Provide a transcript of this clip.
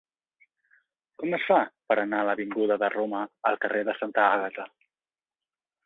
Com es fa per anar de l'avinguda de Roma al carrer de Santa Àgata?